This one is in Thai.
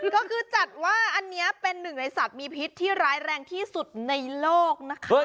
ก็คือจัดว่าอันนี้เป็นหนึ่งในสัตว์มีพิษที่ร้ายแรงที่สุดในโลกนะคะ